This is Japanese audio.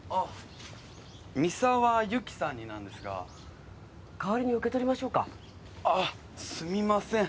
三沢友紀さんになんですが代わりに受け取りましょうかああすみません